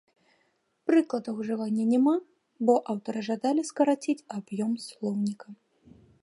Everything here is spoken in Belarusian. Прыкладаў ўжывання няма, бо аўтары жадалі скараціць аб'ём слоўніка.